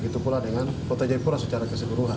begitu pula dengan kota jayapura secara keseluruhan